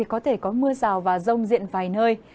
có thể có mưa rào và rông diện vài nơi